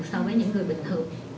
so với những người bình thường